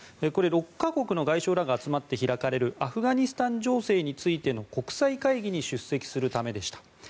これは６か国の外相らが集まって開かれるアフガニスタン情勢についての国際会議に出席するためでした。